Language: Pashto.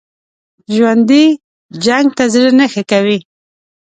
ژوندي جنګ ته زړه نه ښه کوي